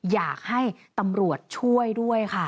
อยากให้ตำรวจช่วยด้วยค่ะ